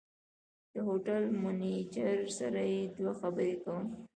د هوټل منیجر سره یو دوه خبرې کوم.